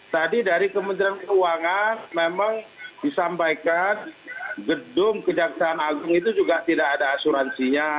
tadi dari kementerian keuangan memang disampaikan gedung kejaksaan agung itu juga tidak ada asuransinya